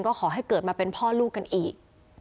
ก็ขอให้เกิดมาเป็นพ่อลูกกันอีก